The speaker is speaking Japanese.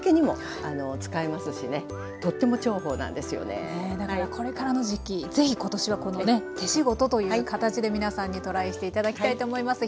ねえだからこれからの時期ぜひ今年はこのね手仕事という形で皆さんにトライして頂きたいと思います。